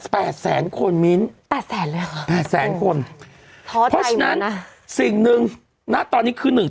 แปดแสนคนมิ้นแปดแสนคนเพราะฉะนั้นสิ่งหนึ่งตอนนี้คือหนึ่ง